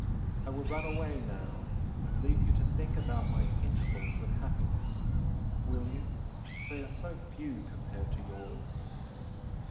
I will run away now and leave you to think about my 'intervals' of happiness, will you? they are so few compared to yours!"